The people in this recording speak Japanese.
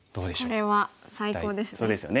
これは最高ですね。